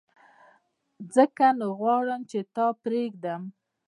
ځکه نو غواړم چي تا پرېږدم !